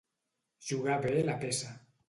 Jugar bé la peça.